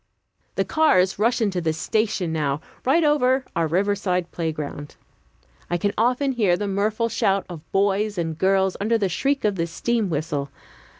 The cars rush into the station now, right over our riverside playground. I can often hear the mirthful shout of boys and girls under the shriek of the steam whistle.